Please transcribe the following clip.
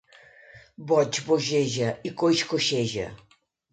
Boig bogeja i coix coixeja.